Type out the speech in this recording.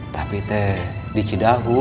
tapi di cidahu